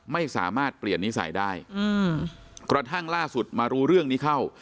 ไม่สามารถเปลี่ยนนิสัยได้อืมกระทั่งล่าสุดมารู้เรื่องนี้เข้า